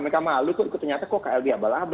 mereka malu kok ternyata kok klb abal abal